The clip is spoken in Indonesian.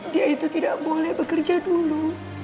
dia itu tidak boleh bekerja dulu